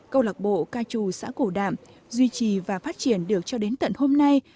câu lạc bộ ca trù xã cổ đạm duy trì và phát triển được cho đến tận hôm nay